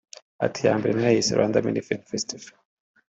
Ati “Iya mbere nari nayise ‘Rwanda Mini Film Festival’